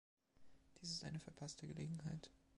Dies ist eine verpasste Gelegenheit.